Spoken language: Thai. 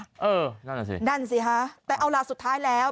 นั่นแหละสินั่นสิฮะแต่เอาล่ะสุดท้ายแล้ว